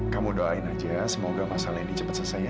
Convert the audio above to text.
kamu doain aja semoga masalah ini cepat selesai ya